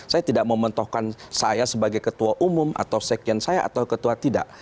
saya tidak mementohkan saya sebagai ketua umum atau sekian saya atau ketua tidak